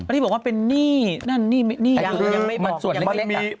แล้วที่บอกว่าเป็นนี่นั่นนี่นี่ยังไม่บอก